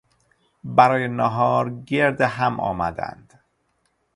برای نهار گرد هم آمدند.